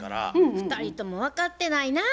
２人とも分かってないなぁ。